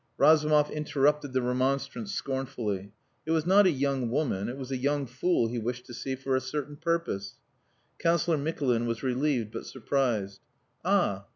Razumov interrupted the remonstrance scornfully. It was not a young woman, it was a young fool he wished to see for a certain purpose. Councillor Mikulin was relieved, but surprised. "Ah!